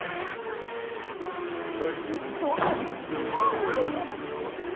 ああ何だかお久しぶりですね